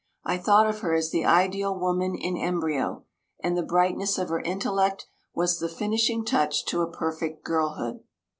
I thought of her as the ideal woman in embryo; and the brightness of her intellect was the finishing touch to a perfect girlhood.